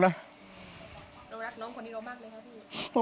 รู้รักน้องคนที่รักมากเลยครับพี่